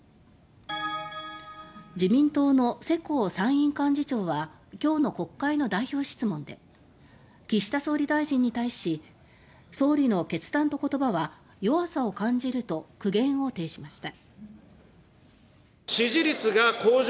自民党の世耕参院幹事長は今日の国会の代表質問で岸田総理大臣に対し「総理の決断と言葉は弱さを感じる」と苦言を呈しました。